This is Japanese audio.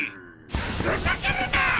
ふざけるな！